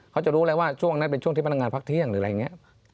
เขาจะรู้แล้วว่าช่วงนั้นเป็นช่วงที่พนักงานพักเที่ยงหรืออะไรอย่างนี้